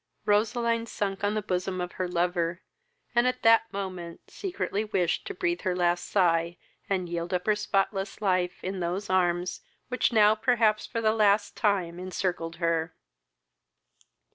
Roseline sunk on the bosom of her lover, and at that moment secretly wished to breathe her last sigh, and yield up her spotless life, in those arms which now perhaps for the last time encircled her.